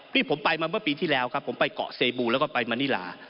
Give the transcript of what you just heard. นี่ผมไปมาเมื่อปีที่แล้วครับผมไปเกาะเซบูแล้วก็ไปมานิลา